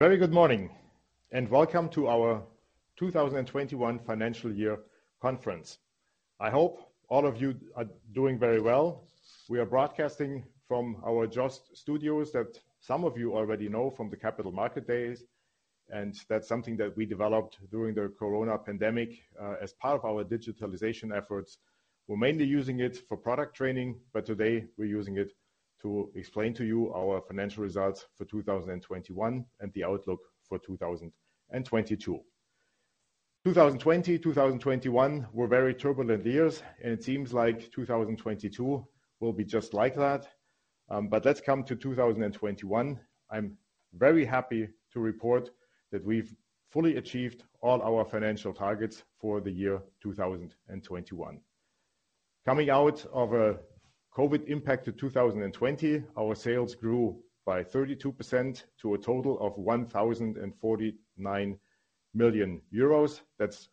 Very good morning, and welcome to our 2021 financial year conference. I hope all of you are doing very well. We are broadcasting from our JOST studios that some of you already know from the Capital Market Days, and that's something that we developed during the Corona pandemic, as part of our digitalization efforts. We're mainly using it for product training, but today we're using it to explain to you our financial results for 2021 and the outlook for 2022. 2020, 2021 were very turbulent years, and it seems like 2022 will be just like that. Let's come to 2021. I'm very happy to report that we've fully achieved all our financial targets for the year 2021. Coming out of a COVID impacted 2020, our sales grew by 32% to a total of 1,049 million euros. That's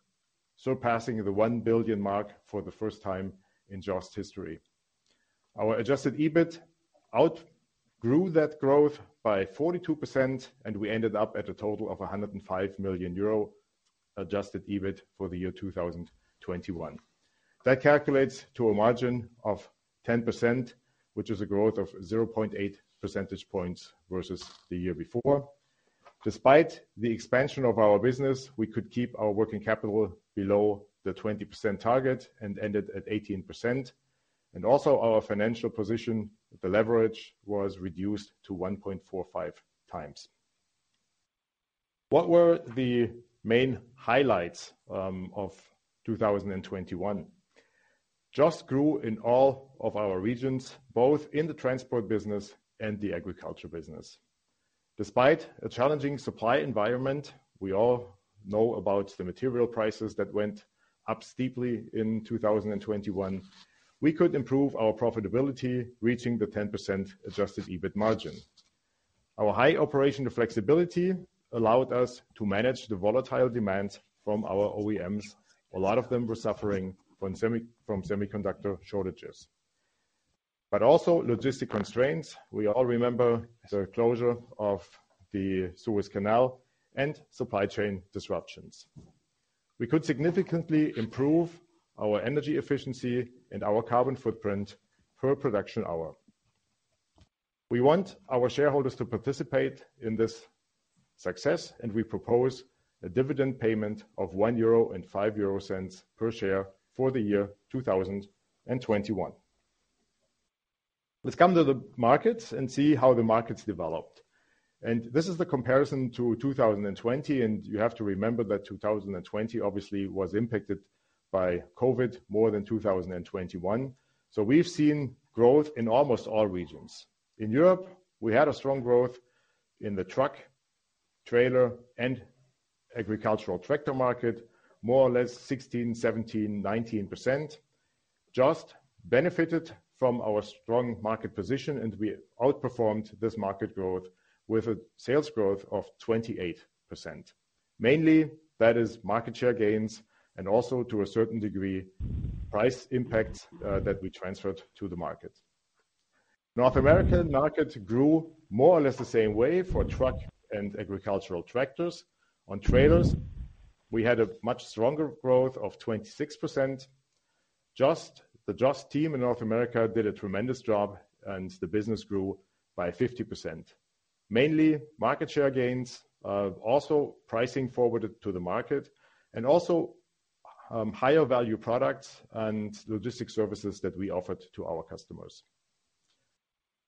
surpassing the 1 billion mark for the first time in JOST history. Our adjusted EBIT outgrew that growth by 42%, and we ended up at a total of 105 million euro adjusted EBIT for the year 2021. That calculates to a margin of 10%, which is a growth of 0.8 percentage points versus the year before. Despite the expansion of our business, we could keep our working capital below the 20% target and ended at 18%. Also our financial position, the leverage, was reduced to 1.45x. What were the main highlights of 2021? JOST grew in all of our regions, both in the transport business and the agriculture business. Despite a challenging supply environment, we all know about the material prices that went up steeply in 2021, we could improve our profitability, reaching the 10% adjusted EBIT margin. Our high operational flexibility allowed us to manage the volatile demand from our OEMs. A lot of them were suffering from semiconductor shortages. But also logistic constraints, we all remember the closure of the Suez Canal and supply chain disruptions. We could significantly improve our energy efficiency and our carbon footprint per production hour. We want our shareholders to participate in this success, and we propose a dividend payment of 1.05 euro per share for the year 2021. Let's come to the markets and see how the markets developed. This is the comparison to 2020, and you have to remember that 2020 obviously was impacted by COVID more than 2021. We've seen growth in almost all regions. In Europe, we had a strong growth in the truck, trailer, and agricultural tractor market, more or less 16, 17, 19%. JOST benefited from our strong market position, and we outperformed this market growth with a sales growth of 28%. Mainly, that is market share gains and also to a certain degree, price impacts that we transferred to the market. North American market grew more or less the same way for truck and agricultural tractors. On trailers, we had a much stronger growth of 26%. The JOST team in North America did a tremendous job, and the business grew by 50%. Mainly market share gains, also pricing forwarded to the market, and also higher value products and logistics services that we offered to our customers.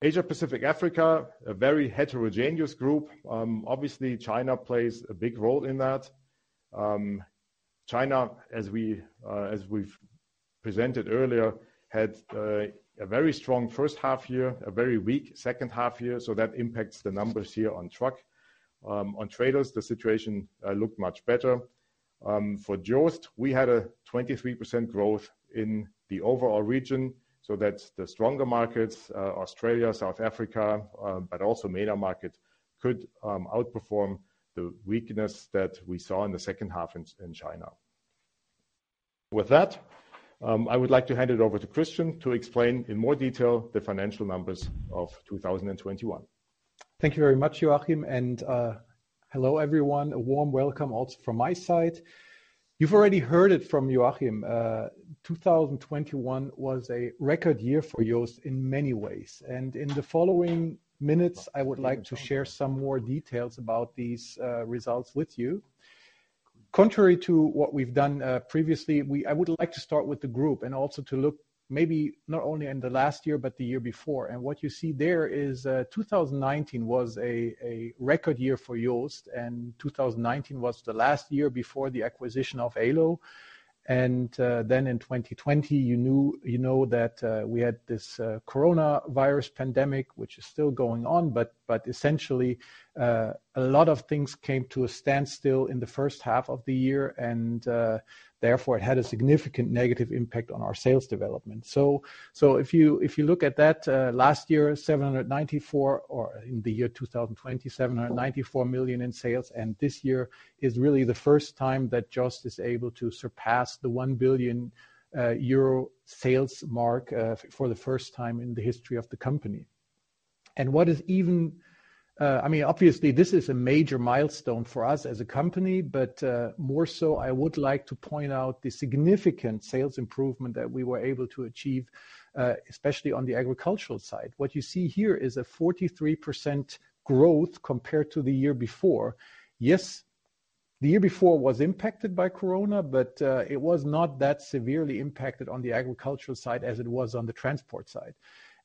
Asia-Pacific, Africa, a very heterogeneous group. Obviously, China plays a big role in that. China, as we've presented earlier, had a very strong first half year, a very weak second half year, so that impacts the numbers here on truck. On trailers, the situation looked much better. For JOST, we had a 23% growth in the overall region, so that the stronger markets, Australia, South Africa, but also middle market could outperform the weakness that we saw in the second half in China. With that, I would like to hand it over to Christian to explain in more detail the financial numbers of 2021. Thank you very much, Joachim, and hello everyone. A warm welcome also from my side. You've already heard it from Joachim, 2021 was a record year for JOST in many ways. In the following minutes, I would like to share some more details about these results with you. Contrary to what we've done previously, I would like to start with the group and also to look maybe not only in the last year, but the year before. What you see there is, 2019 was a record year for JOST, and 2019 was the last year before the acquisition of Ålö. Then in 2020, you knew, you know that we had this coronavirus pandemic, which is still going on, but essentially, a lot of things came to a standstill in the first half of the year, and therefore, it had a significant negative impact on our sales development. If you look at that, last year, 794 million in sales in the year 2020, and this year is really the first time that JOST is able to surpass the 1 billion euro sales mark for the first time in the history of the company. What is even, I mean, obviously, this is a major milestone for us as a company, but more so I would like to point out the significant sales improvement that we were able to achieve, especially on the agricultural side. What you see here is a 43% growth compared to the year before. Yes, the year before was impacted by Corona, but it was not that severely impacted on the agricultural side as it was on the transport side.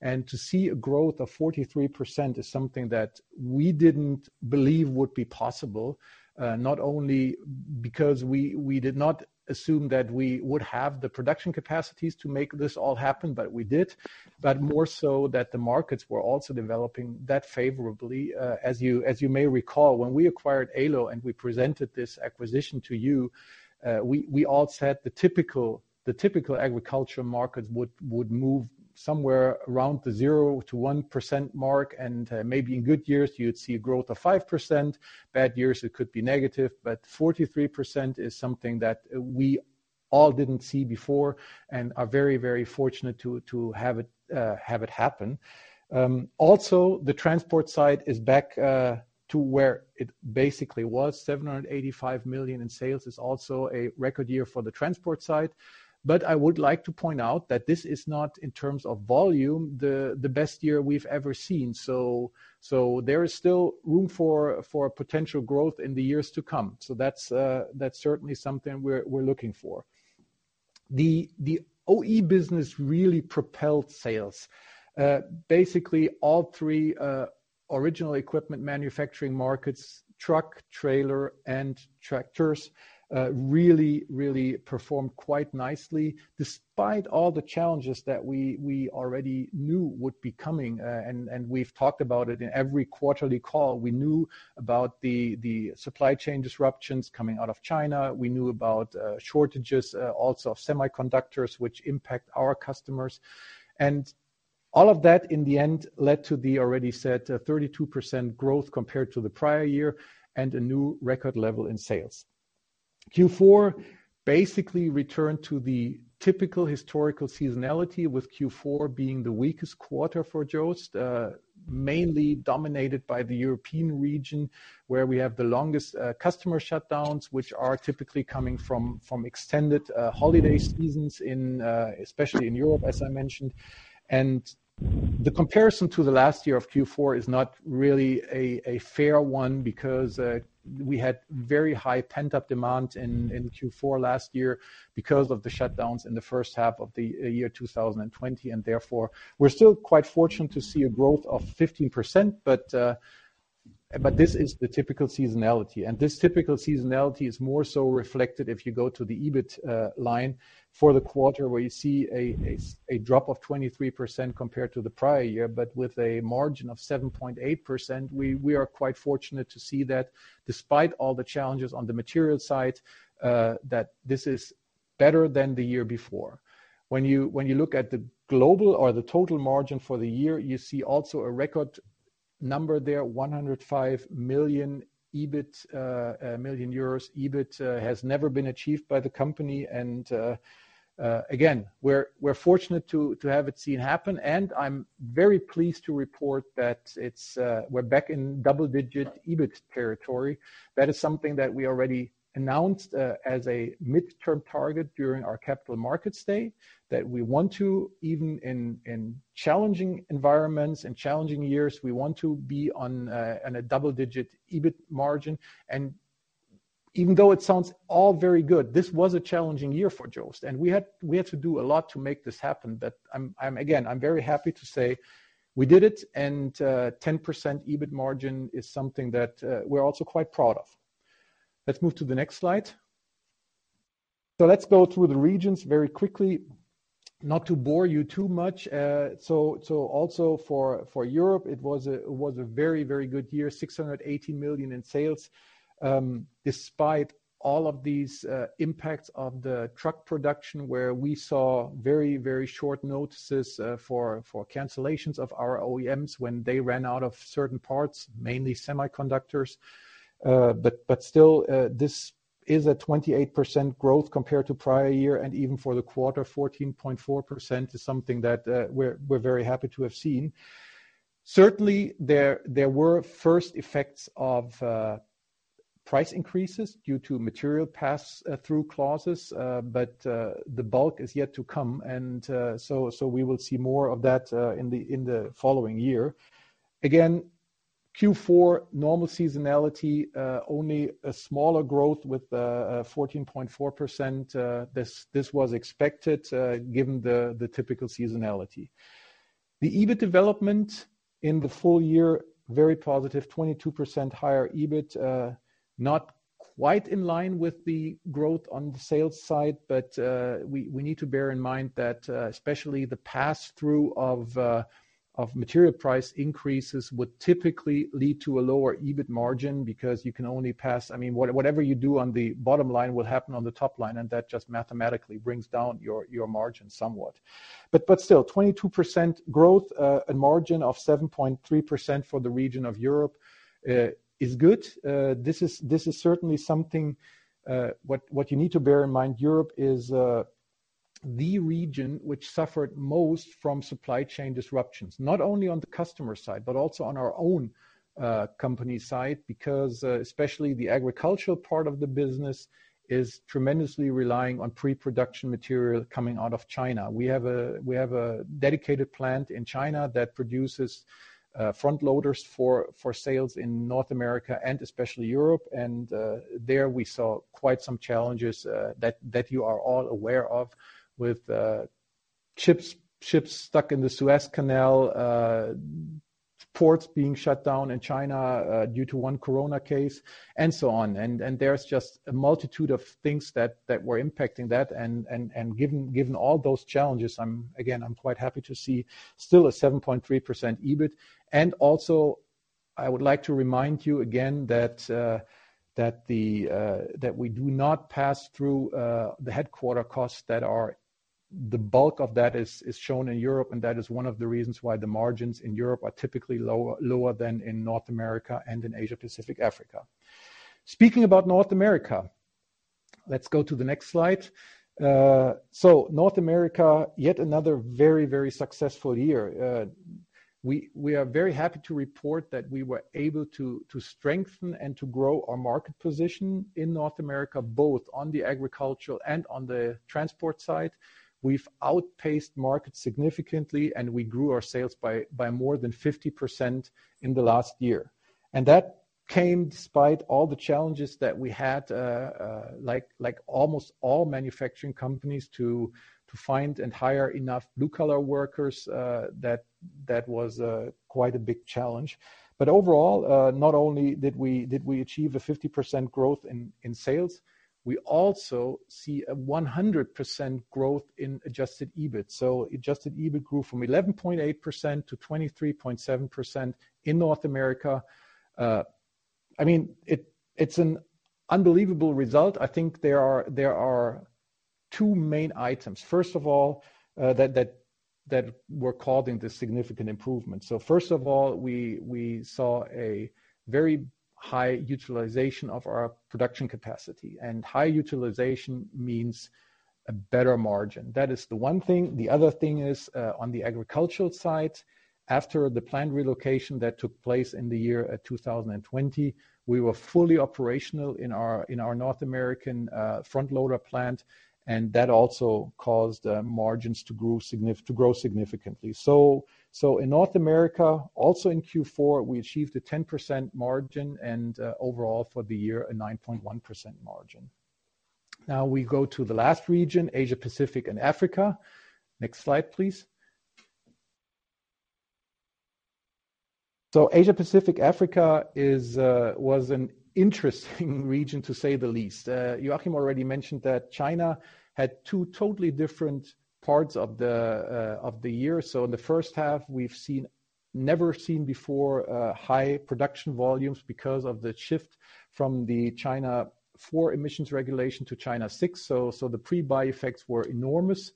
To see a growth of 43% is something that we didn't believe would be possible, not only because we did not assume that we would have the production capacities to make this all happen, but we did, but more so that the markets were also developing that favorably. As you may recall, when we acquired Ålö and we presented this acquisition to you, we all said the typical agricultural market would move somewhere around the 0%-1% mark, and maybe in good years you'd see a growth of 5%, bad years it could be negative. 43% is something that we all didn't see before and are very, very fortunate to have it happen. Also the transport side is back to where it basically was. 785 million in sales is also a record year for the transport side. I would like to point out that this is not, in terms of volume, the best year we've ever seen. There is still room for potential growth in the years to come. That's certainly something we're looking for. The OEM business really propelled sales. Basically all three original equipment manufacturer markets, truck, trailer, and tractors, really performed quite nicely despite all the challenges that we already knew would be coming, and we've talked about it in every quarterly call. We knew about the supply chain disruptions coming out of China. We knew about shortages also of semiconductors, which impact our customers. All of that, in the end, led to the already said 32% growth compared to the prior year and a new record level in sales. Q4 basically returned to the typical historical seasonality, with Q4 being the weakest quarter for JOST, mainly dominated by the European region, where we have the longest customer shutdowns, which are typically coming from extended holiday seasons in especially in Europe, as I mentioned. The comparison to the last year of Q4 is not really a fair one because we had very high pent-up demand in Q4 last year because of the shutdowns in the first half of the year 2020. Therefore, we're still quite fortunate to see a growth of 15%. This is the typical seasonality, and this typical seasonality is more so reflected if you go to the EBIT line for the quarter, where you see a drop of 23% compared to the prior year, but with a margin of 7.8%. We are quite fortunate to see that despite all the challenges on the material side, that this is better than the year before. When you look at the global or the total margin for the year, you see also a record number there, 105 million EBIT has never been achieved by the company. Again, we're fortunate to have seen it happen, and I'm very pleased to report that we're back in double-digit EBIT territory. That is something that we already announced as a midterm target during our Capital Markets Day, that we want to, even in challenging environments and challenging years, we want to be on a double-digit EBIT margin. Even though it sounds all very good, this was a challenging year for JOST, and we had to do a lot to make this happen. I'm again very happy to say we did it, and 10% EBIT margin is something that we're also quite proud of. Let's move to the next slide. Let's go through the regions very quickly, not to bore you too much. Also for Europe, it was a very good year, 680 million in sales. Despite all of these impacts on the truck production, where we saw very short notices for cancellations of our OEMs when they ran out of certain parts, mainly semiconductors. Still, this is a 28% growth compared to prior year, and even for the quarter, 14.4% is something that we're very happy to have seen. Certainly, there were first effects of price increases due to material pass-through clauses, but the bulk is yet to come, and so we will see more of that in the following year. Again, Q4, normal seasonality, only a smaller growth with 14.4%. This was expected, given the typical seasonality. The EBIT development in the full year, very positive, 22% higher EBIT. Not quite in line with the growth on the sales side, but we need to bear in mind that especially the pass-through of material price increases would typically lead to a lower EBIT margin because you can only pass through, I mean, whatever you do on the bottom line will happen on the top line, and that just mathematically brings down your margin somewhat. Still, 22% growth and margin of 7.3% for the region of Europe is good. This is certainly something—what you need to bear in mind. Europe is the region which suffered most from supply chain disruptions, not only on the customer side, but also on our own company side, because especially the agricultural part of the business is tremendously relying on pre-production material coming out of China. We have a dedicated plant in China that produces front loaders for sales in North America and especially Europe. There we saw quite some challenges that you are all aware of with ships stuck in the Suez Canal, ports being shut down in China due to one corona case, and so on. There's just a multitude of things that were impacting that and given all those challenges, I'm again quite happy to see still a 7.3% EBIT. I would like to remind you again that we do not pass through the headquarters costs that are. The bulk of that is shown in Europe, and that is one of the reasons why the margins in Europe are typically lower than in North America and in Asia-Pacific Africa. Speaking about North America, let's go to the next slide. So North America, yet another very successful year. We are very happy to report that we were able to strengthen and to grow our market position in North America, both on the agricultural and on the transport side. We've outpaced market significantly, and we grew our sales by more than 50% in the last year. That came despite all the challenges that we had, like almost all manufacturing companies to find and hire enough blue-collar workers. That was quite a big challenge. Overall, not only did we achieve a 50% growth in sales, we also see a 100% growth in adjusted EBIT. Adjusted EBIT grew from 11.8% to 23.7% in North America. I mean, it's an unbelievable result. I think there are two main items. First of all, that were causing the significant improvement. First of all, we saw a very high utilization of our production capacity. High utilization means a better margin. That is the one thing. The other thing is, on the agricultural side, after the plant relocation that took place in the year 2020, we were fully operational in our North American front loader plant, and that also caused margins to grow significantly. In North America, also in Q4, we achieved a 10% margin and overall for the year, a 9.1% margin. Now we go to the last region, Asia-Pacific and Africa. Next slide, please. Asia-Pacific and Africa was an interesting region, to say the least. Joachim already mentioned that China had two totally different parts of the year. In the first half, we've never seen before high production volumes because of the shift from the China IV emissions regulation to China VI. The pre-buy effects were enormous.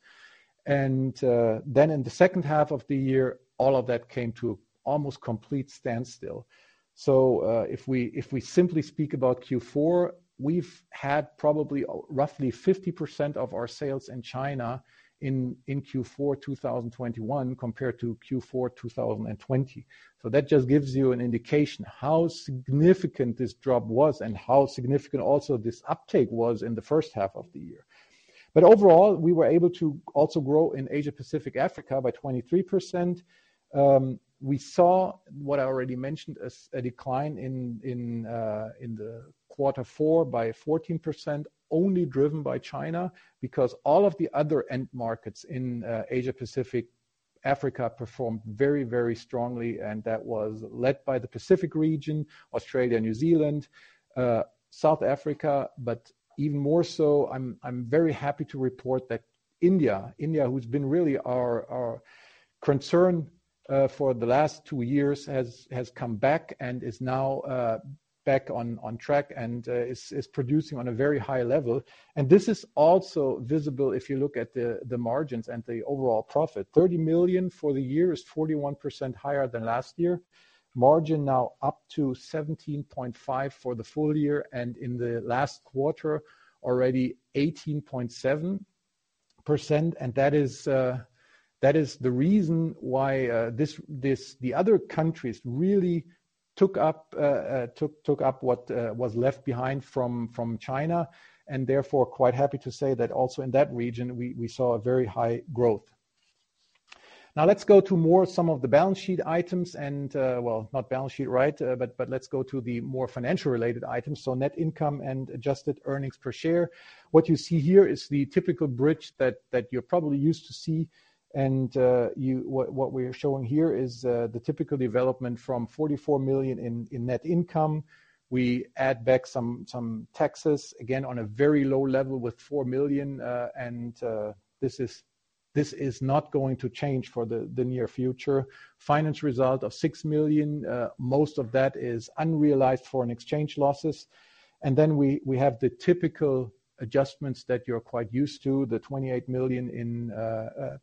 In the second half of the year, all of that came to almost complete standstill. If we simply speak about Q4, we've had probably roughly 50% of our sales in China in Q4 2021 compared to Q4 2020. That just gives you an indication how significant this drop was and how significant also this uptake was in the first half of the year. Overall, we were able to also grow in Asia-Pacific Africa by 23%. We saw what I already mentioned as a decline in quarter four by 14%, only driven by China, because all of the other end markets in Asia-Pacific, Africa performed very strongly, and that was led by the Pacific region, Australia, New Zealand, South Africa. But even more so, I am very happy to report that India, who has been really our concern for the last two years, has come back and is now back on track and is producing on a very high level. This is also visible if you look at the margins and the overall profit. 30 million for the year is 41% higher than last year. Margin now up to 17.5% for the full year and in the last quarter, already 18.7%. That is the reason why the other countries really took up what was left behind from China. Therefore, quite happy to say that also in that region, we saw a very high growth. Now let's go to some more of the balance sheet items and, well, not balance sheet, right? But let's go to the more financial related items. Net income and adjusted earnings per share. What you see here is the typical bridge that you're probably used to see. What we're showing here is the typical development from 44 million in net income. We add back some taxes, again, on a very low level with 4 million, and this is not going to change for the near future. Finance result of 6 million, most of that is unrealized foreign exchange losses. Then we have the typical adjustments that you're quite used to. The 28 million in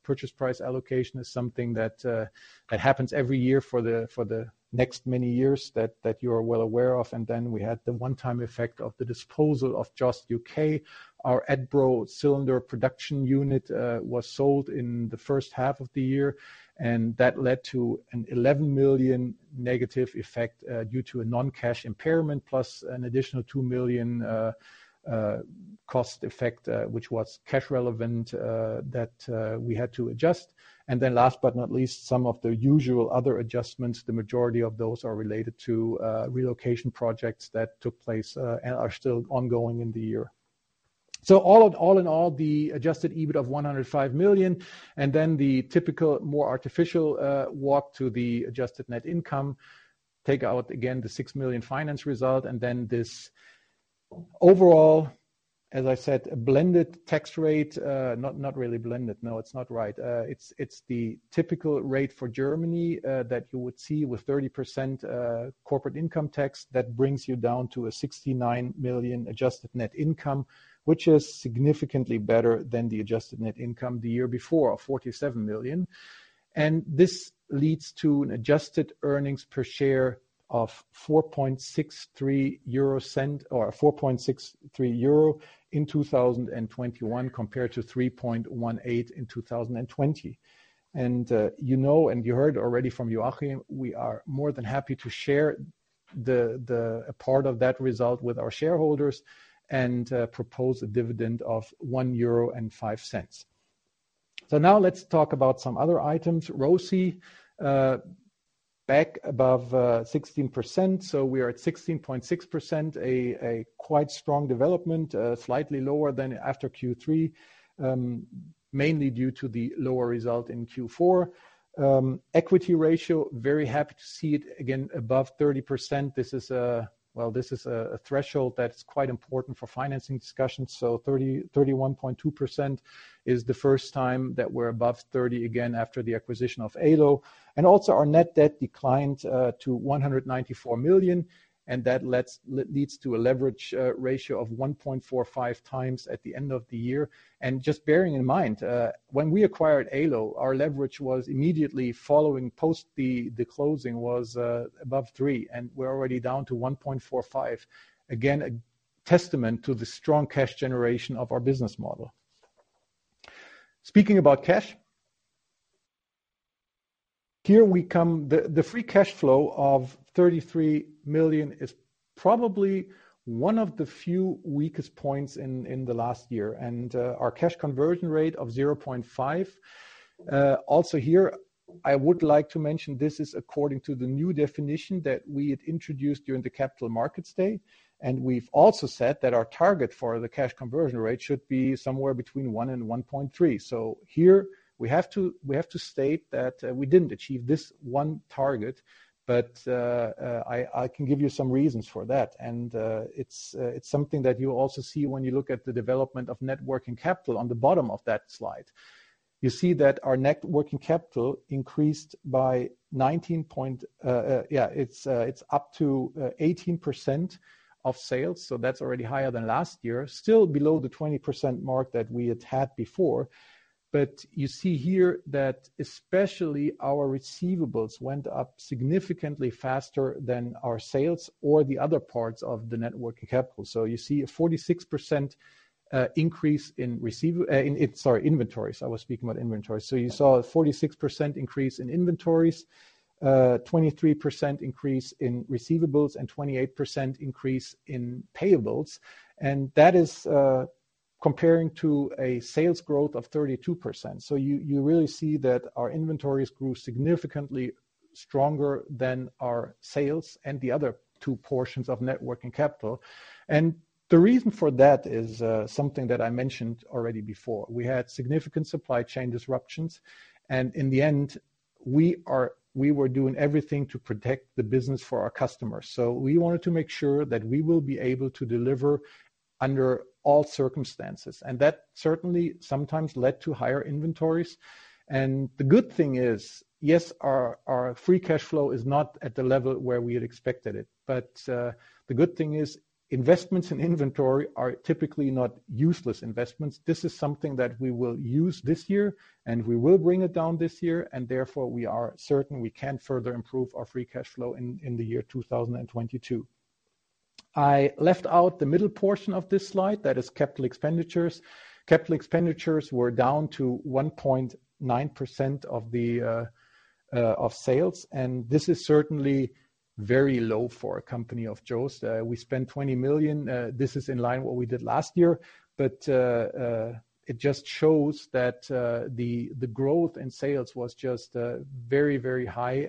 purchase price allocation is something that happens every year for the next many years that you are well aware of. Then we had the one-time effect of the disposal of JOST U.K. Our Edbro cylinder production unit was sold in the first half of the year, and that led to a 11 million negative effect due to a non-cash impairment, plus an additional 2 million cost effect, which was cash relevant, that we had to adjust. Then last but not least, some of the usual other adjustments. The majority of those are related to relocation projects that took place and are still ongoing in the year. All in all, the adjusted EBIT of 105 million, and then the typical more artificial walk to the adjusted net income. Take out again the 6 million finance result and then this overall, as I said, blended tax rate, not really blended. No, it's not right. It's the typical rate for Germany that you would see with 30% corporate income tax. That brings you down to a 69 million adjusted net income, which is significantly better than the adjusted net income the year before of 47 million. This leads to an adjusted earnings per share of 4.63 euro in 2021 compared to 3.18 EUR in 2020. You know, you heard already from Joachim, we are more than happy to share the part of that result with our shareholders and propose a dividend of 1.05 euro. Now let's talk about some other items. ROCE back above 16%. We are at 16.6%, a quite strong development, slightly lower than after Q3, mainly due to the lower result in Q4. Equity ratio, very happy to see it again above 30%. This is well a threshold that's quite important for financing discussions. 31.2% is the first time that we're above 30 again after the acquisition of Ålö. Our net debt declined to 194 million, and that leads to a leverage ratio of 1.45x at the end of the year. Just bearing in mind, when we acquired Ålö, our leverage was immediately following post the closing above 3, and we're already down to 1.45. Again, a testament to the strong cash generation of our business model. Speaking about cash, here we come. The free cash flow of 33 million is probably one of the few weakest points in the last year. Our cash conversion rate of 0.5. Also here, I would like to mention this is according to the new definition that we had introduced during the Capital Markets Day. We've also said that our target for the cash conversion rate should be somewhere between 1 and 1.3. Here we have to state that we didn't achieve this one target, but I can give you some reasons for that. It's something that you also see when you look at the development of net working capital on the bottom of that slide. You see that our net working capital is up to 18% of sales, so that's already higher than last year. Still below the 20% mark that we had had before. You see here that especially our receivables went up significantly faster than our sales or the other parts of the net working capital. You see a 46% increase in inventories. I was speaking about inventories. You saw a 46% increase in inventories, 23% increase in receivables, and 28% increase in payables. That is comparing to a sales growth of 32%. You really see that our inventories grew significantly stronger than our sales and the other two portions of net working capital. The reason for that is something that I mentioned already before. We had significant supply chain disruptions. In the end, we were doing everything to protect the business for our customers. We wanted to make sure that we will be able to deliver under all circumstances. That certainly sometimes led to higher inventories. The good thing is, yes, our free cash flow is not at the level where we had expected it. The good thing is investments in inventory are typically not useless investments. This is something that we will use this year, and we will bring it down this year, and therefore, we are certain we can further improve our free cash flow in the year 2022. I left out the middle portion of this slide, that is capital expenditures. Capital expenditures were down to 1.9% of sales, and this is certainly very low for a company of JOST. We spent 20 million. This is in line with what we did last year. It just shows that the growth in sales was just very, very high.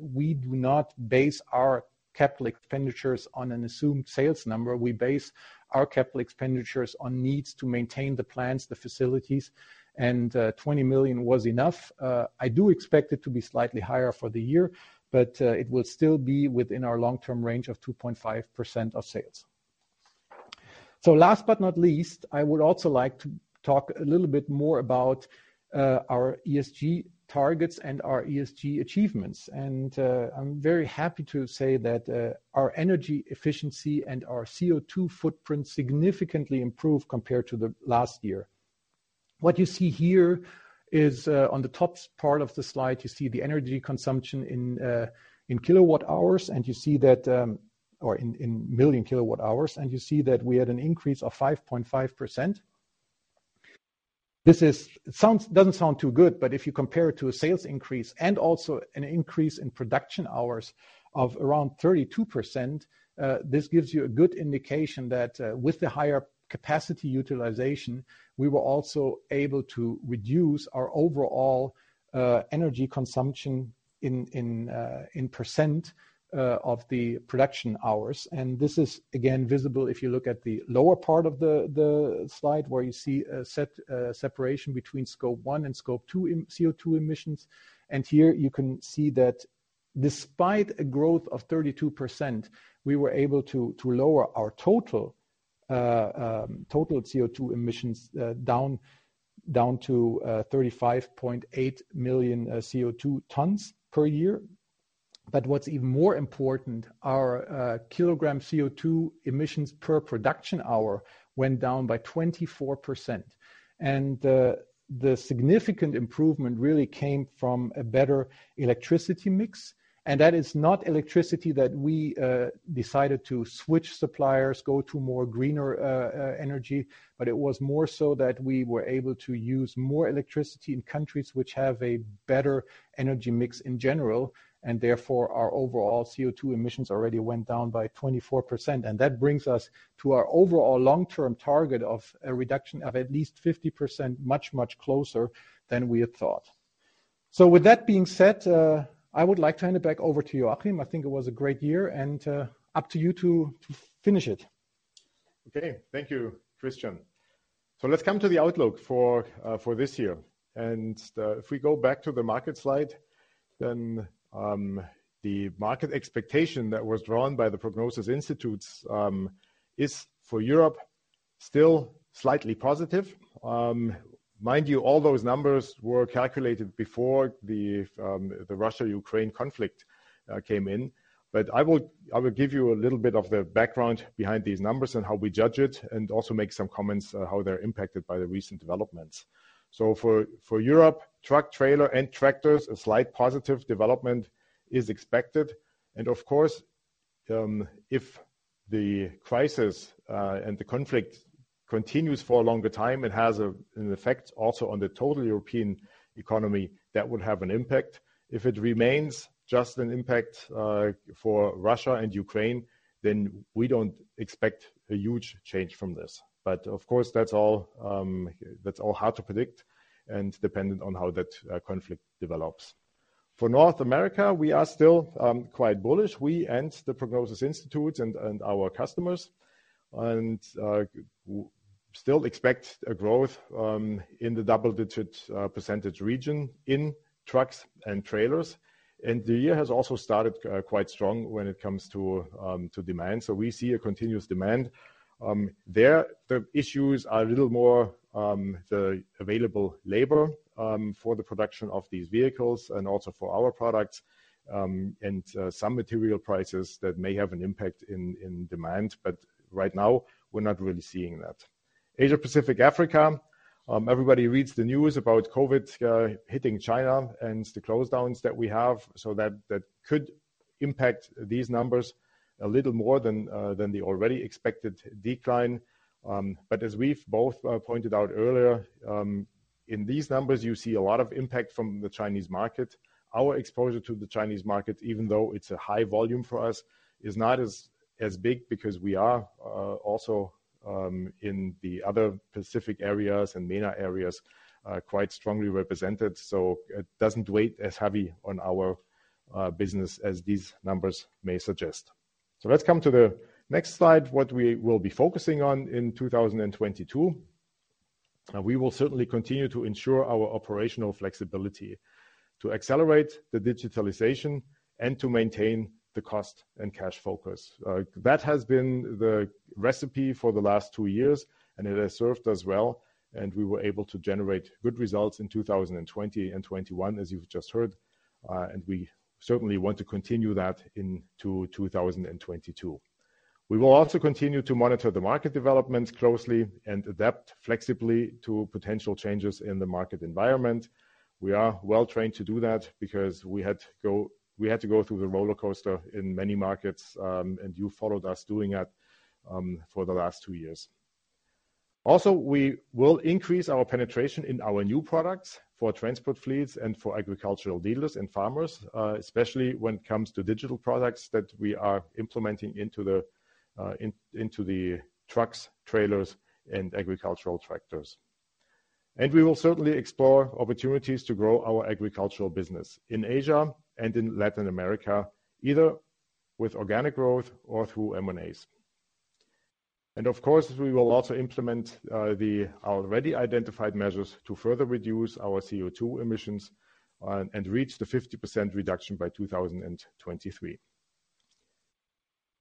We do not base our capital expenditures on an assumed sales number. We base our capital expenditures on needs to maintain the plants, the facilities, and 20 million was enough. I do expect it to be slightly higher for the year, but it will still be within our long-term range of 2.5% of sales. Last but not least, I would also like to talk a little bit more about our ESG targets and our ESG achievements. I'm very happy to say that our energy efficiency and our CO₂ footprint significantly improved compared to the last year. What you see here is on the top part of the slide, you see the energy consumption in kilowatt-hours, or in million kilowatt-hours, and you see that we had an increase of 5.5%. Doesn't sound too good, but if you compare it to a sales increase and also an increase in production hours of around 32%, this gives you a good indication that, with the higher capacity utilization, we were also able to reduce our overall energy consumption in percent of the production hours. This is, again, visible if you look at the lower part of the slide, where you see a separation between Scope 1 and Scope 2 CO₂ emissions. Here you can see that despite a growth of 32%, we were able to lower our total CO₂ emissions down to 35.8 million CO₂ tons per year. But what's even more important, our kilogram CO₂ emissions per production hour went down by 24%. The significant improvement really came from a better electricity mix. That is not electricity that we decided to switch suppliers, go to more greener energy, but it was more so that we were able to use more electricity in countries which have a better energy mix in general, and therefore, our overall CO₂ emissions already went down by 24%. That brings us to our overall long-term target of a reduction of at least 50%, much closer than we had thought. With that being said, I would like to hand it back over to you, Achim. I think it was a great year, and up to you to finish it. Okay. Thank you, Christian. Let's come to the outlook for this year. If we go back to the market slide, then the market expectation that was drawn by the Prognos is for Europe, still slightly positive. Mind you, all those numbers were calculated before the Russia-Ukraine conflict came in. I will give you a little bit of the background behind these numbers and how we judge it and also make some comments on how they're impacted by the recent developments. For Europe, truck, trailer, and tractors, a slight positive development is expected. Of course, if the crisis and the conflict continues for a longer time, it has an effect also on the total European economy, that would have an impact. If it remains just an impact for Russia and Ukraine, then we don't expect a huge change from this. Of course, that's all hard to predict and dependent on how that conflict develops. For North America, we are still quite bullish. We and Prognos and our customers still expect a growth in the double-digit percentage region in trucks and trailers. The year has also started quite strong when it comes to to demand. We see a continuous demand. There, the issues are a little more the available labor for the production of these vehicles and also for our products and some material prices that may have an impact in demand, but right now, we're not really seeing that. Asia-Pacific, Africa, everybody reads the news about COVID hitting China and the lockdowns that we have, so that could impact these numbers a little more than the already expected decline. But as we've both pointed out earlier, in these numbers, you see a lot of impact from the Chinese market. Our exposure to the Chinese market, even though it's a high volume for us, is not as big because we are also in the other Pacific areas and MENA areas quite strongly represented, so it doesn't weigh as heavy on our business as these numbers may suggest. Let's come to the next slide, what we will be focusing on in 2022. We will certainly continue to ensure our operational flexibility to accelerate the digitalization and to maintain the cost and cash focus. That has been the recipe for the last two years, and it has served us well, and we were able to generate good results in 2020 and 2021, as you've just heard. We certainly want to continue that into 2022. We will also continue to monitor the market developments closely and adapt flexibly to potential changes in the market environment. We are well-trained to do that because we had to go through the rollercoaster in many markets, and you followed us doing that, for the last two years. We will increase our penetration in our new products for transport fleets and for agricultural dealers and farmers, especially when it comes to digital products that we are implementing into the trucks, trailers, and agricultural tractors. We will certainly explore opportunities to grow our agricultural business in Asia and in Latin America, either with organic growth or through M&As. Of course, we will also implement the already identified measures to further reduce our CO₂ emissions and reach the 50% reduction by 2023.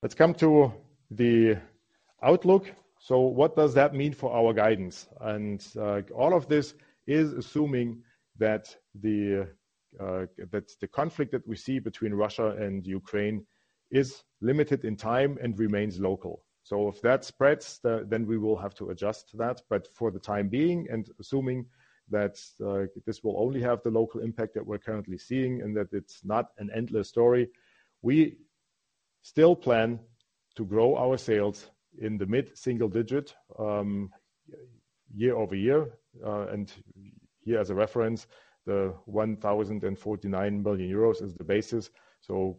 Let's come to the outlook. What does that mean for our guidance? All of this is assuming that the conflict that we see between Russia and Ukraine is limited in time and remains local. If that spreads, then we will have to adjust to that. For the time being, and assuming that this will only have the local impact that we're currently seeing and that it's not an endless story, we still plan to grow our sales in the mid-single digit year-over-year. Here as a reference, 1,049 billion euros is the basis.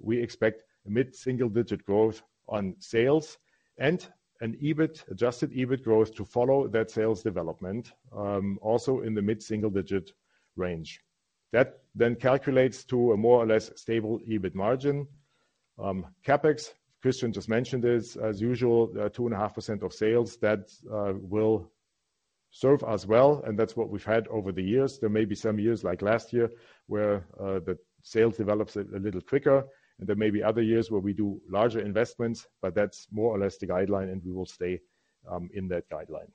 We expect mid-single digit growth on sales and an EBIT, adjusted EBIT growth to follow that sales development, also in the mid-single digit range. That then calculates to a more or less stable EBIT margin. CapEx, Christian just mentioned this, as usual, 2.5% of sales. That will serve us well, and that's what we've had over the years. There may be some years, like last year, where the sales develops a little quicker, and there may be other years where we do larger investments, but that's more or less the guideline, and we will stay in that guideline.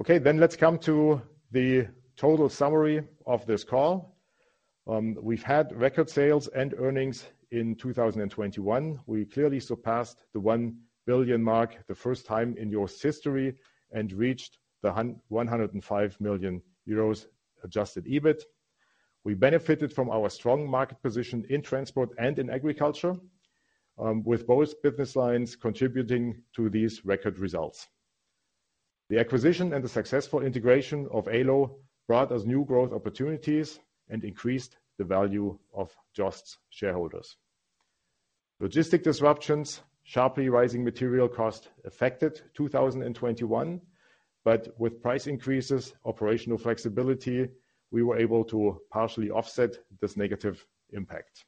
Okay, let's come to the total summary of this call. We've had record sales and earnings in 2021. We clearly surpassed the 1 billion mark the first time in JOST's history and reached 105 million euros adjusted EBIT. We benefited from our strong market position in transport and in agriculture with both business lines contributing to these record results. The acquisition and the successful integration of Ålö brought us new growth opportunities and increased the value of JOST's shareholders. Logistics disruptions, sharply rising material cost affected 2021, but with price increases, operational flexibility, we were able to partially offset this negative impact.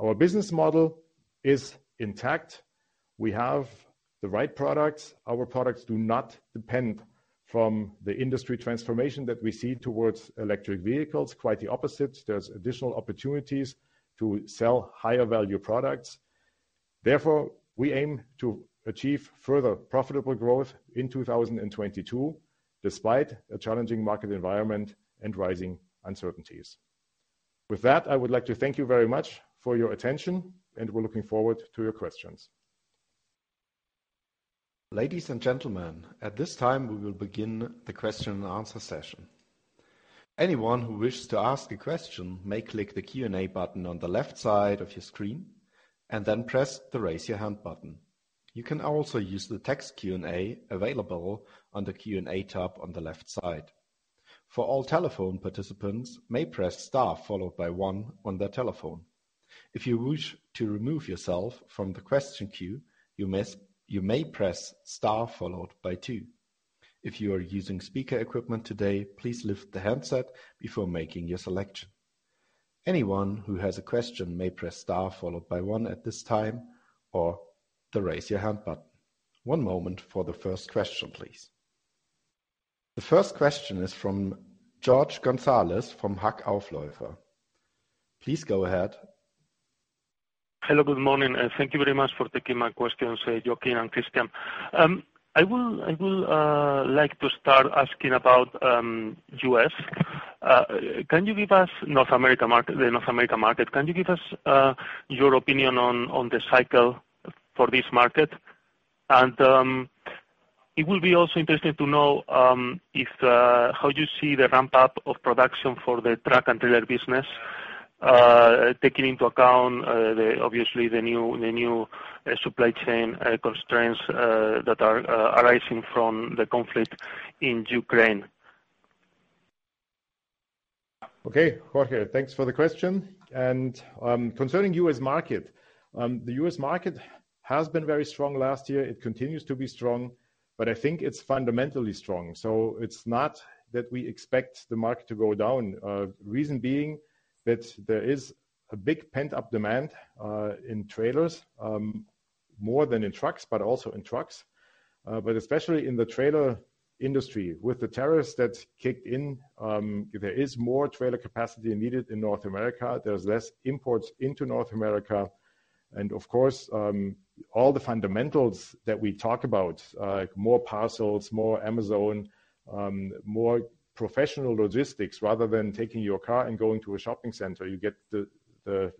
Our business model is intact. We have the right products. Our products do not depend from the industry transformation that we see towards electric vehicles. Quite the opposite. There's additional opportunities to sell higher value products. Therefore, we aim to achieve further profitable growth in 2022, despite a challenging market environment and rising uncertainties. With that, I would like to thank you very much for your attention, and we're looking forward to your questions. Ladies and gentlemen, at this time, we will begin the question and answer session. Anyone who wishes to ask a question may click the Q&A button on the left side of your screen and then press the Raise Your Hand button. You can also use the text Q&A available on the Q&A tab on the left side. For all telephone participants, you may press star followed by one on their telephone. If you wish to remove yourself from the question queue, you may press star followed by two. If you are using speaker equipment today, please lift the handset before making your selection. Anyone who has a question may press star followed by one at this time or the Raise Your Hand button. One moment for the first question, please. The first question is from Jorge Gonzalez from Hauck Aufhäuser. Please go ahead. Hello, good morning, and thank you very much for taking my questions, Joachim and Christian. I will like to start asking about U.S. Can you give us your opinion on the cycle for the North America market? It will be also interesting to know how you see the ramp up of production for the truck and trailer business, taking into account the obvious new supply chain constraints that are arising from the conflict in Ukraine. Okay. Jorge, thanks for the question. Concerning U.S. market, the U.S. market has been very strong last year. It continues to be strong, but I think it's fundamentally strong. It's not that we expect the market to go down. Reason being that there is a big pent-up demand in trailers, more than in trucks, but also in trucks. But especially in the trailer industry. With the tariffs that kicked in, there is more trailer capacity needed in North America. There's less imports into North America. Of course, all the fundamentals that we talk about, more parcels, more Amazon, more professional logistics rather than taking your car and going to a shopping center, you get the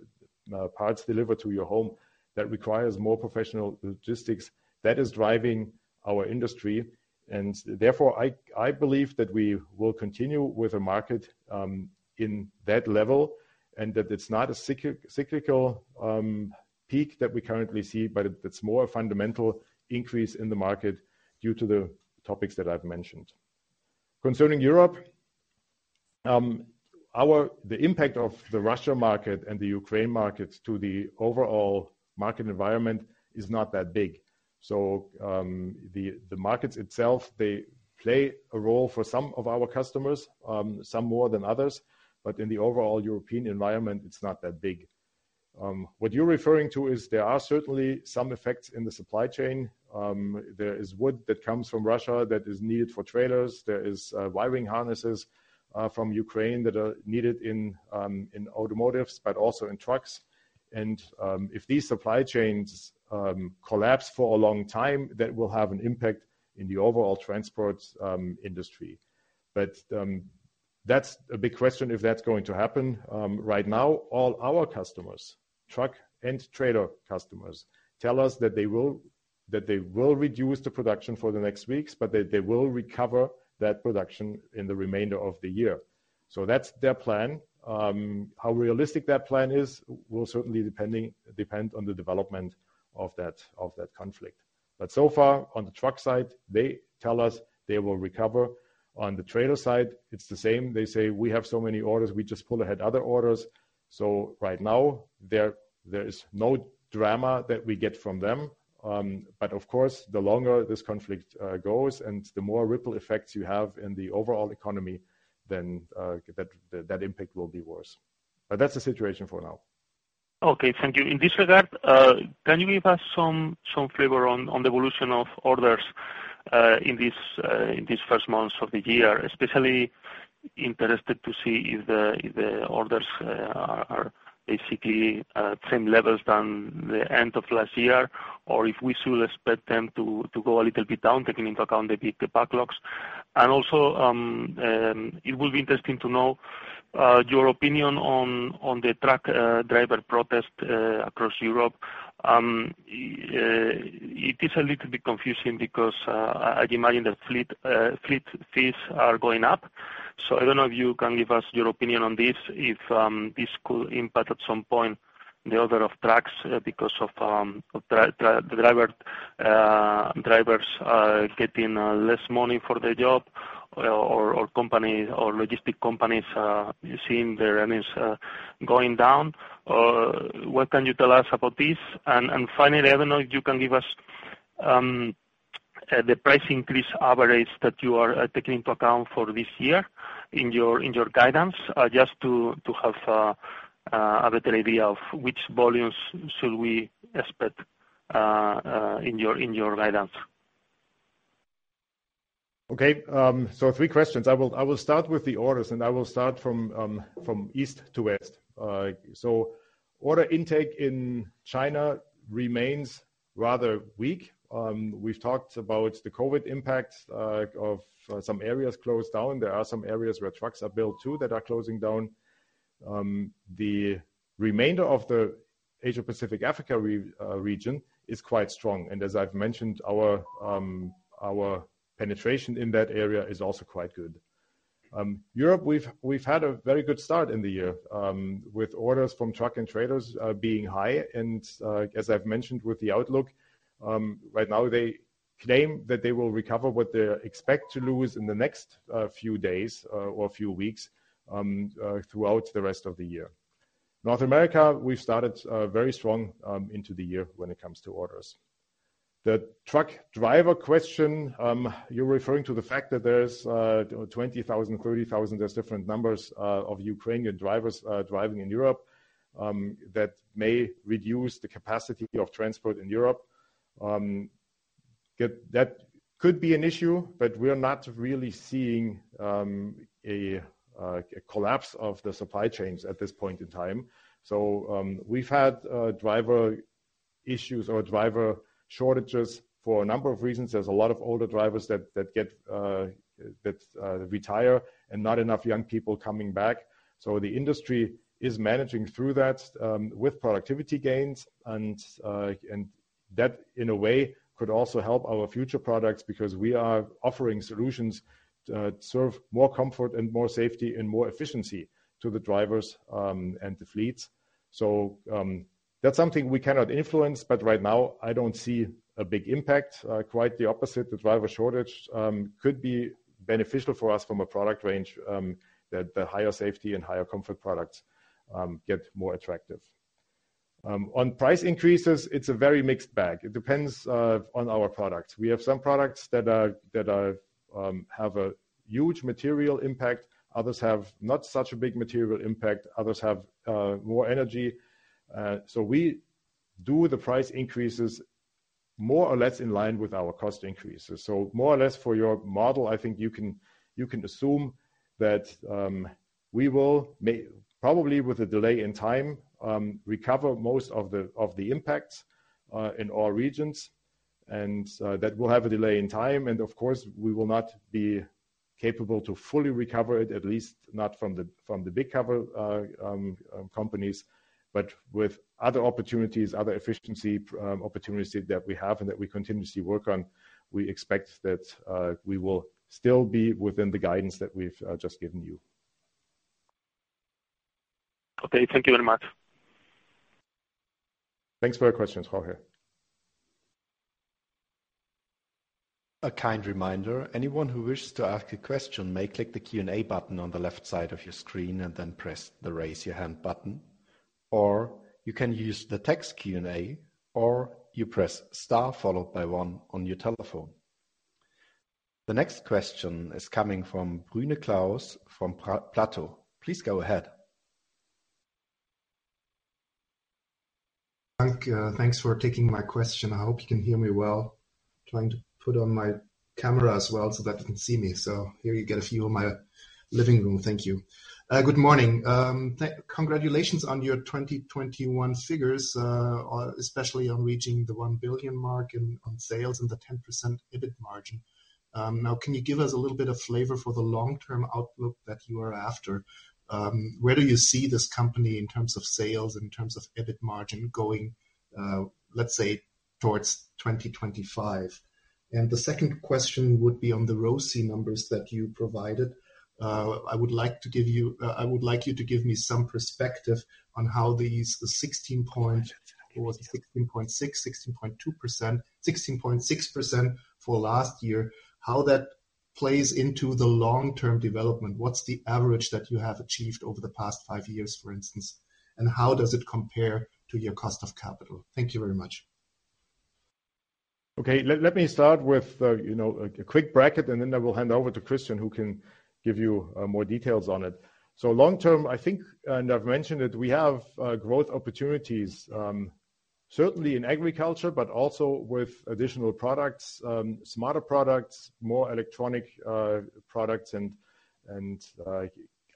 parts delivered to your home. That requires more professional logistics. That is driving our industry. Therefore, I believe that we will continue with the market in that level, and that it's not a cyclical peak that we currently see, but it's more a fundamental increase in the market due to the topics that I've mentioned. Concerning Europe, the impact of the Russia market and the Ukraine markets to the overall market environment is not that big. The markets itself, they play a role for some of our customers, some more than others, but in the overall European environment, it's not that big. What you're referring to is there are certainly some effects in the supply chain. There is wood that comes from Russia that is needed for trailers. There is wiring harnesses from Ukraine that are needed in automotives, but also in trucks. If these supply chains collapse for a long time, that will have an impact in the overall transport industry. That's a big question if that's going to happen. Right now, all our customers, truck and trailer customers, tell us that they will reduce the production for the next weeks, but they will recover that production in the remainder of the year. That's their plan. How realistic that plan is will certainly depend on the development of that conflict. So far, on the truck side, they tell us they will recover. On the trailer side, it's the same. They say, "We have so many orders. We just pull ahead other orders." Right now there is no drama that we get from them. Of course, the longer this conflict goes and the more ripple effects you have in the overall economy, then that impact will be worse. That's the situation for now. Okay. Thank you. In this regard, can you give us some flavor on the evolution of orders in these first months of the year, especially interested to see if the orders are basically same levels than the end of last year, or if we should expect them to go a little bit down, taking into account the big backlogs. Also, it will be interesting to know your opinion on the truck driver protest across Europe. It is a little bit confusing because I imagine the fleet fees are going up. I don't know if you can give us your opinion on this, if this could impact at some point the order of trucks, because of the drivers getting less money for their job or companies or logistics companies seeing their earnings going down. What can you tell us about this? Finally, I don't know if you can give us the price increase average that you are taking into account for this year in your guidance, just to have a better idea of which volumes should we expect in your guidance. Okay. Three questions. I will start with the orders, and I will start from east to west. Order intake in China remains rather weak. We've talked about the COVID impacts of some areas closed down. There are some areas where trucks are built too that are closing down. The remainder of the Asia-Pacific Africa region is quite strong. As I've mentioned, our penetration in that area is also quite good. Europe, we've had a very good start in the year with orders from truck and trailers being high. As I've mentioned with the outlook, right now they claim that they will recover what they expect to lose in the next few days or few weeks throughout the rest of the year. North America, we started very strong into the year when it comes to orders. The truck driver question, you're referring to the fact that there's 20,000, 30,000, there's different numbers of Ukrainian drivers driving in Europe that may reduce the capacity of transport in Europe. That could be an issue, but we're not really seeing a collapse of the supply chains at this point in time. We've had driver issues or driver shortages for a number of reasons. There's a lot of older drivers that retire and not enough young people coming back. The industry is managing through that with productivity gains. That, in a way, could also help our future products because we are offering solutions that serve more comfort and more safety and more efficiency to the drivers, and the fleets. That's something we cannot influence, but right now I don't see a big impact. Quite the opposite. The driver shortage could be beneficial for us from a product range, that the higher safety and higher comfort products get more attractive. On price increases, it's a very mixed bag. It depends on our products. We have some products that are have a huge material impact. Others have not such a big material impact. Others have more energy. We do the price increases more or less in line with our cost increases. More or less for your model, I think you can assume that we will probably with a delay in time recover most of the impacts in all regions and that will have a delay in time. Of course, we will not be capable to fully recover it, at least not from the big customer companies, but with other opportunities, other efficiency opportunities that we have and that we continuously work on, we expect that we will still be within the guidance that we've just given you. Okay. Thank you very much. Thanks for your question, Jorge. The next question is coming from Klaus Brune from PLATOW. Please go ahead. Thanks for taking my question. I hope you can hear me well. Trying to put on my camera as well so that you can see me. So here you get a view of my living room. Thank you. Good morning. Congratulations on your 2021 figures, especially on reaching the 1 billion mark in sales and the 10% EBIT margin. Now, can you give us a little bit of flavor for the long-term outlook that you are after? Where do you see this company in terms of sales, in terms of EBIT margin going, let's say towards 2025? The second question would be on the ROCE numbers that you provided. I would like to give you... I would like you to give me some perspective on how these 16.6%, 16.2%, 16.6% for last year, how that plays into the long-term development. What's the average that you have achieved over the past five years, for instance, and how does it compare to your cost of capital? Thank you very much. Okay. Let me start with you know a quick bracket, and then I will hand over to Christian, who can give you more details on it. Long term, I think, and I've mentioned it, we have growth opportunities certainly in agriculture, but also with additional products, smarter products, more electronic products and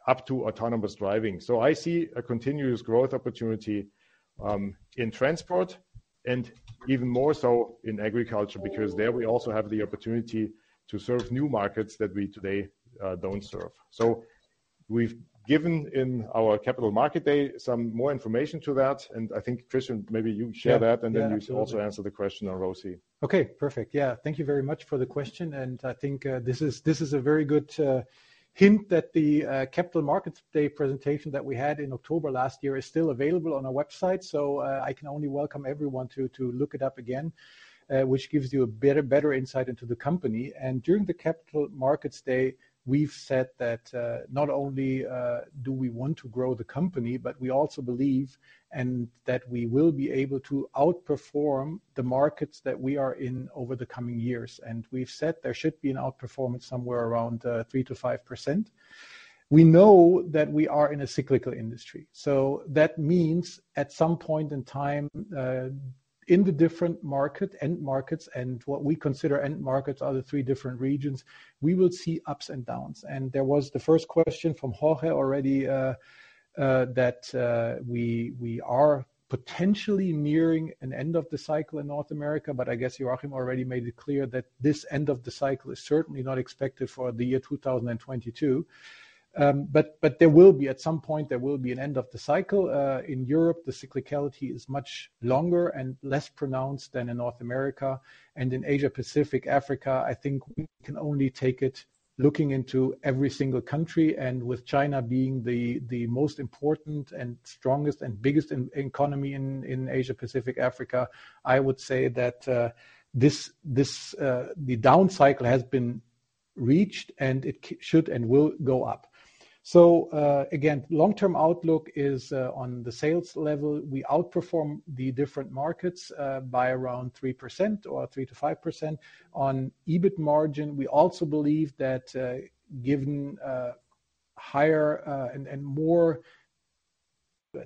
up to autonomous driving. I see a continuous growth opportunity in transport and even more so in agriculture, because there we also have the opportunity to serve new markets that we today don't serve. We've given in our Capital Markets Day some more information to that, and I think, Christian, maybe you share that Yeah. Yeah, absolutely. you also answer the question on ROCE. Okay. Perfect. Yeah. Thank you very much for the question, and I think, this is a very good hint that the Capital Markets Day presentation that we had in October last year is still available on our website. I can only welcome everyone to look it up again, which gives you a better insight into the company. During the Capital Markets Day, we've said that not only do we want to grow the company, but we also believe and that we will be able to outperform the markets that we are in over the coming years. We've said there should be an outperformance somewhere around 3%-5%. We know that we are in a cyclical industry, so that means at some point in time, in the different market end markets and what we consider end markets are the three different regions, we will see ups and downs. There was the first question from Jorge already, that we are potentially nearing an end of the cycle in North America, but I guess Joachim already made it clear that this end of the cycle is certainly not expected for the year 2022. There will be, at some point, an end of the cycle. In Europe, the cyclicality is much longer and less pronounced than in North America. In Asia, Pacific, Africa, I think we can only take it looking into every single country. With China being the most important and strongest and biggest economy in Asia, Pacific, Africa, I would say that this the down cycle has been reached and it should and will go up. Again, long-term outlook is on the sales level. We outperform the different markets by around 3% or 3%-5%. On EBIT margin, we also believe that, given higher and more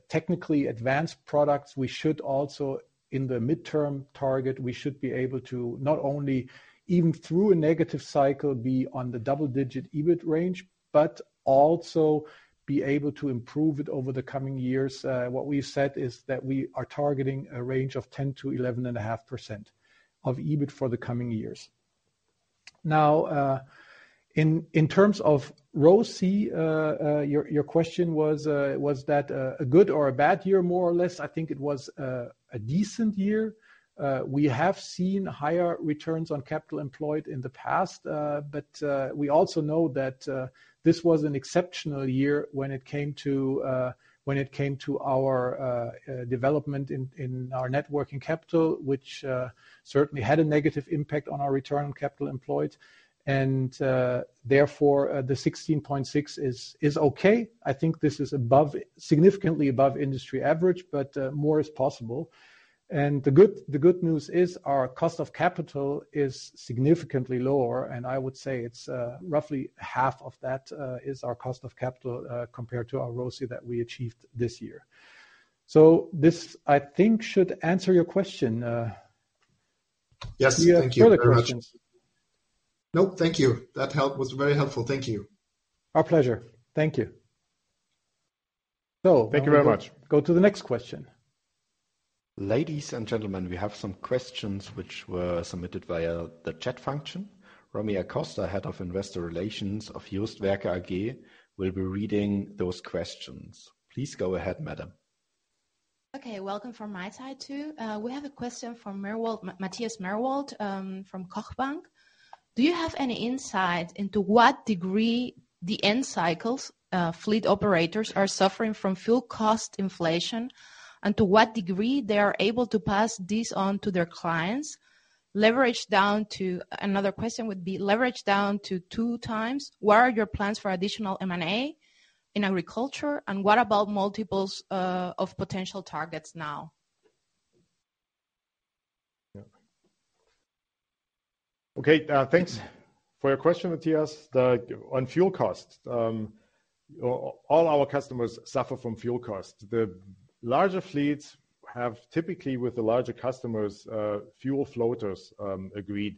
technically advanced products, we should also, in the midterm target, be able to not only even through a negative cycle be on the double-digit EBIT range, but also be able to improve it over the coming years. What we've said is that we are targeting a range of 10%-11.5% of EBIT for the coming years. Now, in terms of ROCE, your question was, that a good or a bad year, more or less? I think it was a decent year. We have seen higher returns on capital employed in the past, but we also know that this was an exceptional year when it came to our development in our net working capital, which certainly had a negative impact on our return on capital employed. Therefore, the 16.6% is okay. I think this is above, significantly above industry average, but more is possible. The good news is our cost of capital is significantly lower, and I would say it's roughly half of that is our cost of capital compared to our ROCE that we achieved this year. This, I think, should answer your question. Yes. Thank you very much. Do you have further questions? Nope. Thank you. That helped. It was very helpful. Thank you. Our pleasure. Thank you. Thank you very much. Go to the next question. Ladies and gentlemen, we have some questions which were submitted via the chat function. Romy Acosta, Head of Investor Relations of JOST Werke SE, will be reading those questions. Please go ahead, madam. Okay. Welcome from my side, too. We have a question from Matthias Mirwald from KochBank. Do you have any insight into what degree the end clients fleet operators are suffering from fuel cost inflation, and to what degree they are able to pass this on to their clients? Another question would be leverage down to 2x. What are your plans for additional M&A in agriculture, and what about multiples of potential targets now? Yeah. Okay, thanks for your question, Matthias. On fuel costs, all our customers suffer from fuel costs. The larger fleets have typically, with the larger customers, fuel surcharge clauses agreed.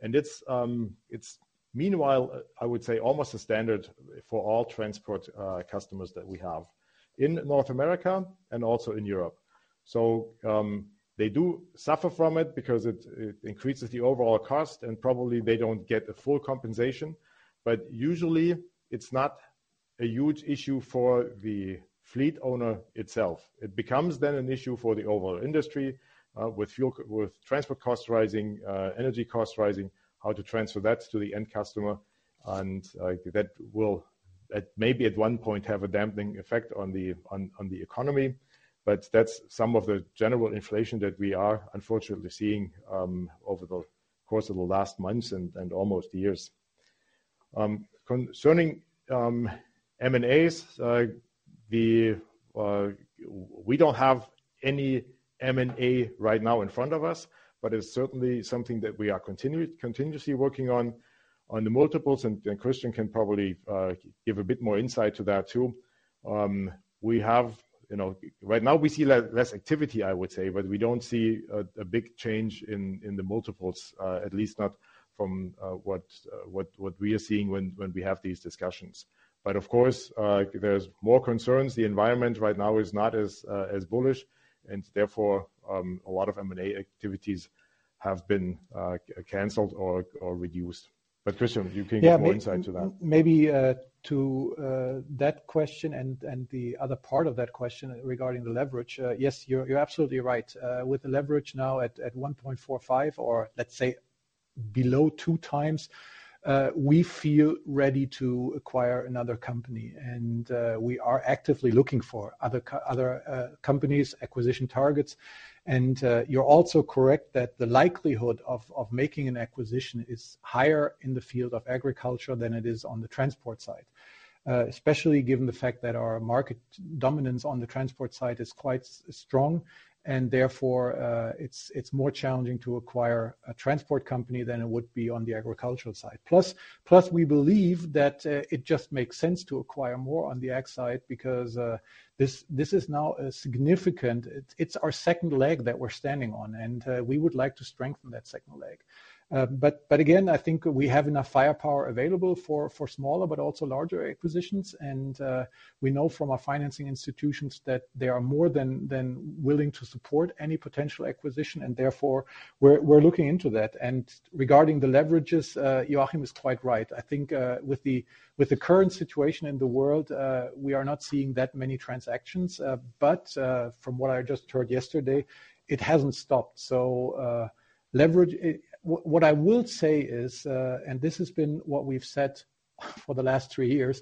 It's meanwhile, I would say, almost a standard for all transport customers that we have in North America and also in Europe. They do suffer from it because it increases the overall cost, and probably they don't get a full compensation. Usually it's not a huge issue for the fleet owner itself. It becomes then an issue for the overall industry with transport costs rising, energy costs rising, how to transfer that to the end customer. That will, maybe at one point, have a dampening effect on the economy. That's some of the general inflation that we are unfortunately seeing over the course of the last months and almost years. Concerning M&As, we don't have any M&A right now in front of us, but it's certainly something that we are continuously working on the multiples, and Christian can probably give a bit more insight to that too. You know, right now we see less activity, I would say, but we don't see a big change in the multiples, at least not from what we are seeing when we have these discussions. Of course, there's more concerns. The environment right now is not as bullish, and therefore, a lot of M&A activities have been canceled or reduced. Christian, you can give more insight to that. Yeah, maybe to that question and the other part of that question regarding the leverage. Yes, you're absolutely right. With the leverage now at 1.45 or let's say below 2x, we feel ready to acquire another company. We are actively looking for other companies, acquisition targets. You're also correct that the likelihood of making an acquisition is higher in the field of agriculture than it is on the transport side. Especially given the fact that our market dominance on the transport side is quite strong, and therefore, it's more challenging to acquire a transport company than it would be on the agricultural side. We believe that it just makes sense to acquire more on the ag side because this is now a significant. It is our second leg that we're standing on, and we would like to strengthen that second leg. Again, I think we have enough firepower available for smaller but also larger acquisitions. We know from our financing institutions that they are more than willing to support any potential acquisition, and therefore we're looking into that. Regarding the leverages, Joachim is quite right. I think with the current situation in the world, we are not seeing that many transactions, but from what I just heard yesterday, it hasn't stopped. Leverage. What I will say is, and this has been what we've said for the last three years,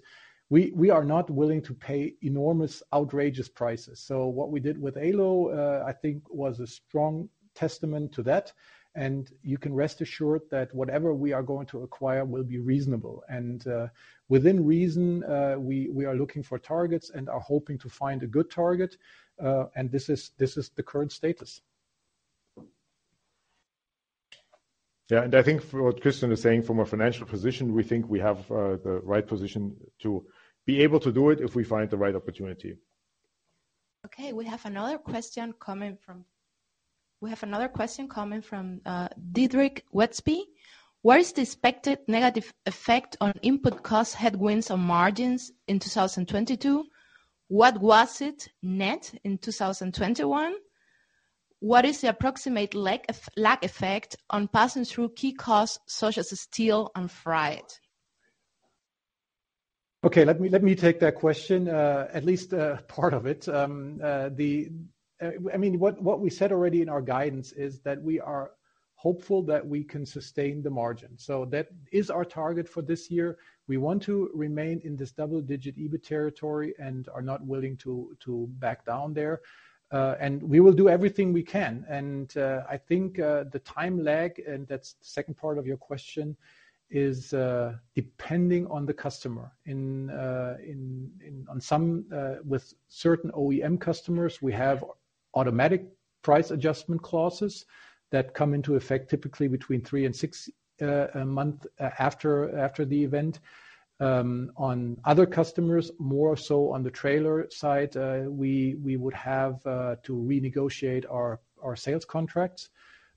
we are not willing to pay enormous, outrageous prices. What we did with Ålö, I think was a strong testament to that, and you can rest assured that whatever we are going to acquire will be reasonable. Within reason, we are looking for targets and are hoping to find a good target. This is the current status. Yeah. I think from what Christian is saying, from a financial position, we think we have the right position to be able to do it if we find the right opportunity. Okay, we have another question coming from Didrik Westby. Where is the expected negative effect on input cost headwinds on margins in 2022? What was it net in 2021? What is the approximate lag effect on passing through key costs such as steel and freight? Okay, let me take that question, at least part of it. I mean, what we said already in our guidance is that we are hopeful that we can sustain the margin. That is our target for this year. We want to remain in this double-digit EBIT territory and are not willing to back down there. We will do everything we can. I think the time lag, and that's the second part of your question, is depending on the customer. On some, with certain OEM customers, we have automatic price adjustment clauses that come into effect typically between three and six months after the event. On other customers, more so on the trailer side, we would have to renegotiate our sales contracts.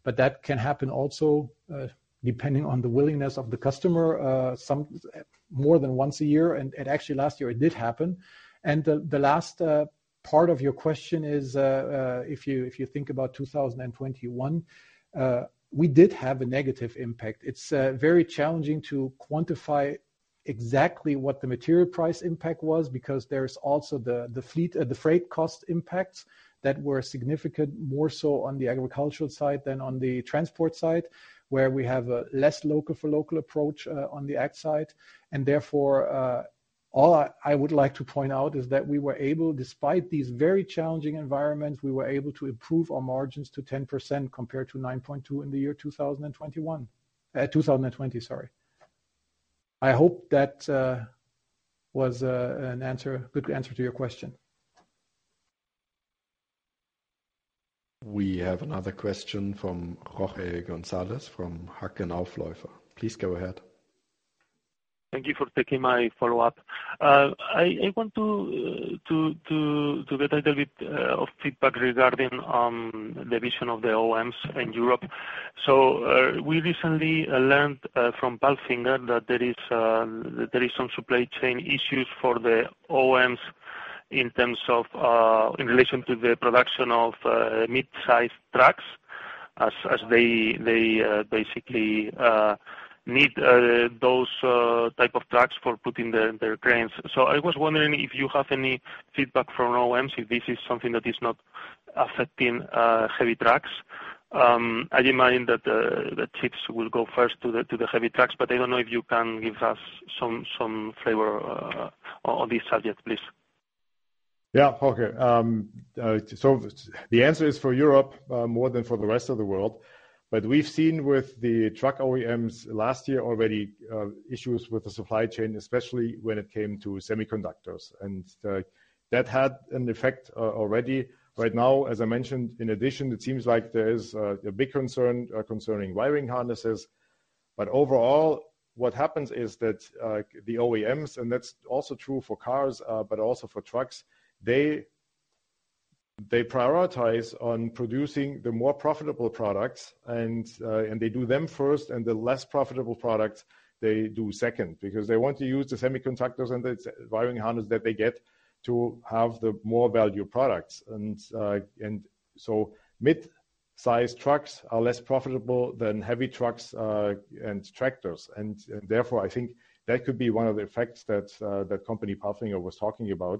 That can happen also, depending on the willingness of the customer, some more than once a year. Actually last year it did happen. The last part of your question is, if you think about 2021, we did have a negative impact. It's very challenging to quantify exactly what the material price impact was because there's also the fleet, the freight cost impacts that were significant, more so on the agricultural side than on the transport side, where we have a less local for local approach, on the ag side. All I would like to point out is that we were able to improve our margins to 10% compared to 9.2% in the year 2021, 2020, sorry. I hope that was a good answer to your question. We have another question from Jorge Gonzalez from Hauck Aufhäuser. Please go ahead. Thank you for taking my follow-up. I want to get a little bit of feedback regarding the vision of the OEMs in Europe. We recently learned from PALFINGER that there is some supply chain issues for the OEMs in terms of in relation to the production of mid-size trucks as they basically need those type of trucks for putting their cranes. I was wondering if you have any feedback from OEMs, if this is something that is not affecting heavy trucks. I remind that the chips will go first to the heavy trucks, but I don't know if you can give us some flavor on this subject, please. Yeah. Okay. The answer is for Europe, more than for the rest of the world. We've seen with the truck OEMs last year already issues with the supply chain, especially when it came to semiconductors. That had an effect already. Right now, as I mentioned, in addition, it seems like there is a big concern concerning wiring harnesses. Overall, what happens is that the OEMs, and that's also true for cars, but also for trucks, they prioritize on producing the more profitable products and they do them first and the less profitable products they do second. Because they want to use the semiconductors and the wiring harnesses that they get to have the more value products. Mid-size trucks are less profitable than heavy trucks and tractors. Therefore, I think that could be one of the effects that company PALFINGER was talking about,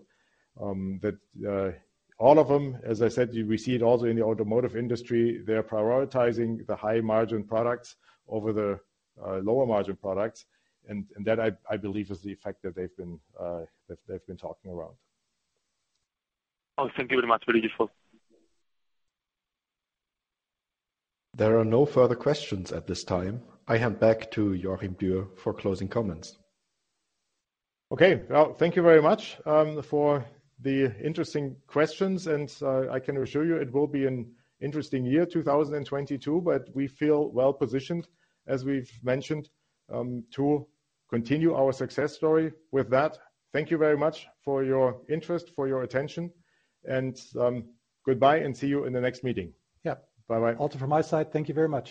that all of them, as I said, we see it also in the automotive industry, they're prioritizing the high margin products over the lower margin products. That I believe is the effect that they've been talking around. Oh, thank you very much. Very useful. There are no further questions at this time. I hand back to Joachim Dürr for closing comments. Okay. Well, thank you very much for the interesting questions, and I can assure you it will be an interesting year, 2022. We feel well-positioned, as we've mentioned, to continue our success story. With that, thank you very much for your interest, for your attention and goodbye and see you in the next meeting. Yeah. Bye-bye. Also from my side, thank you very much.